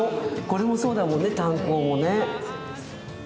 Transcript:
これもそうだもんね炭鉱もね。